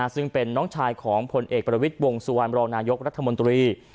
ซึ่งเป็นน้องชายของผลเอกประวิทย์วงสุวรรณรองนายกรัฐมนตรี